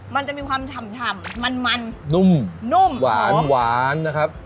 มันจะมีความฉ่ำมันมันนุ่มนุ่มหวานหวานนะครับ